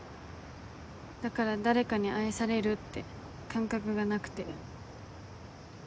だから誰かに愛されるって感覚がなくて。